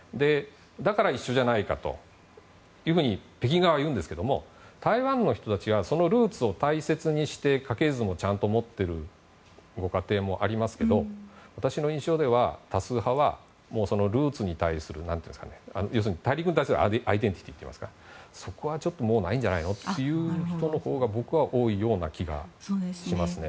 だから一緒じゃないかと北京側は言うんですけど台湾の人たちはそのルーツを大切にして家系図もちゃんと持ってるご家庭もありますけど私の印象では多数派はそのルーツに対する要するに大陸に対するアイデンティティーはもうないんじゃないの？という人が僕は多いような気がしますね。